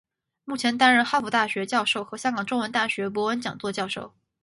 目前担任哈佛大学教授和香港中文大学博文讲座教授。